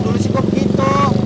dulu sih kok gitu